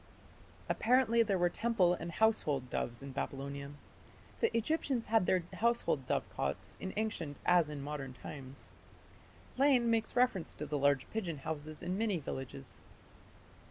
Apparently there were temple and household doves in Babylonia. The Egyptians had their household dovecots in ancient as in modern times. Lane makes reference to the large pigeon houses in many villages.